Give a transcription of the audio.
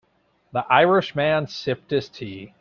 The Irish man sipped his tea.